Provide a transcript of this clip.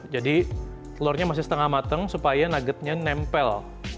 jadi telurnya masih setengah matang supaya nuggetnya nempel